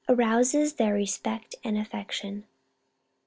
arouses their respect and affection.